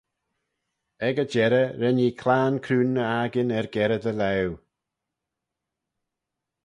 Ec y jerrey ren ee claghyn-cruinn y akin er-gerrey dy laue.